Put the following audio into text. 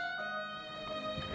bukan itu ya